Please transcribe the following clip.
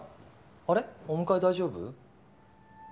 あれお迎え大丈夫？